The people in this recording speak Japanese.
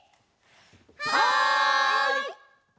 はい！